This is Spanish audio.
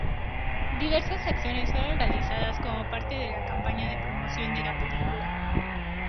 Diversas acciones fueron realizadas como parte de la campaña de promoción de la película.